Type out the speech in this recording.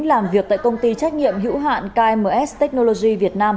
làm việc tại công ty trách nhiệm hữu hạn kms technology việt nam